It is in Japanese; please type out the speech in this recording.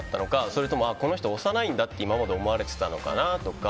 それとも、この人押さないんだって今まで思われてたのかなとか。